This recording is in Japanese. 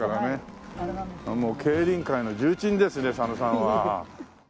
もう競輪界の重鎮ですね佐野さんは。